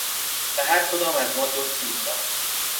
به هر کدام از ما دو سیب داد.